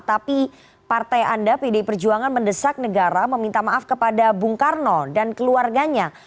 tapi partai anda pdi perjuangan mendesak negara meminta maaf kepada bung karno dan keluarganya